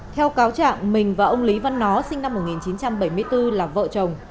theo cáo trạng mình và ông lý văn nó sinh năm một nghìn chín trăm bảy mươi bốn là vợ chồng